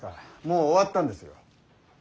もう終わったんですよ。